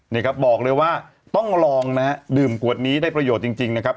นี่ครับบอกเลยว่าต้องลองนะฮะดื่มกวดนี้ได้ประโยชน์จริงนะครับ